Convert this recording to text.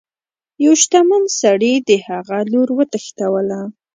یوه شتمن سړي د هغه لور وتښتوله.